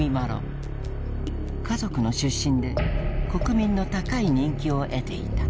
華族の出身で国民の高い人気を得ていた。